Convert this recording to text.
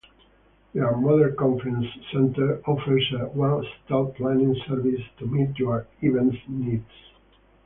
Their modern Conference Centre offers a one-stop planning service to meet your event needs.